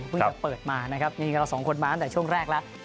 จะเปิดมานะครับนี่กับเราสองคนมาตั้งแต่ช่วงแรกแล้ว